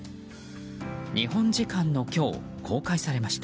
日本時間の今日公開されました。